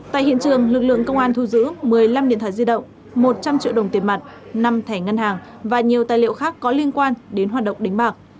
tại hiện trường lực lượng công an thu giữ một mươi năm điện thoại di động một trăm linh triệu đồng tiền mặt năm thẻ ngân hàng và nhiều tài liệu khác có liên quan đến hoạt động đánh bạc